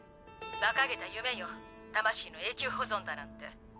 バカげた夢よ魂の永久保存だなんて。